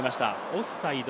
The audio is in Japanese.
オフサイド。